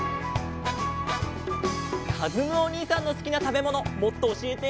かずむおにいさんのすきなたべものもっとおしえて。